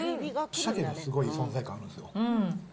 シャケがすごい存在感あるんですよ。